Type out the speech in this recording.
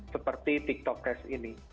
seperti tiktok cash ini